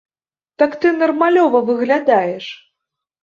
Так ты нармалёва выглядаеш.